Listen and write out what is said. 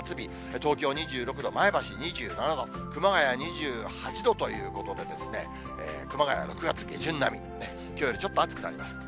東京２６度、前橋２７度、熊谷２８度ということでですね、熊谷は９月下旬並み、きょうよりちょっと暑くなります。